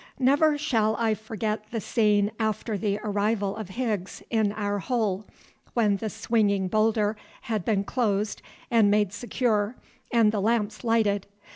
Never shall I forget the scene after the arrival of Higgs in our hole, when the swinging boulder had been closed and made secure and the lamps lighted.